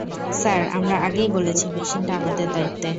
Sir, আমরা আগেই বলেছি, মেশিনটা আমাদের দায়িত্বে।